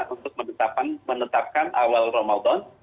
untuk menetapkan awal ramadan